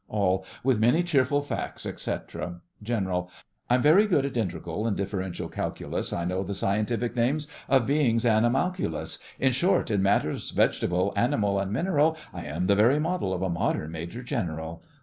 ALL: With many cheerful facts, etc. GENERAL: I'm very good at integral and differential calculus; I know the scientific names of beings animalculous: In short, in matters vegetable, animal, and mineral, I am the very model of a modern Major General.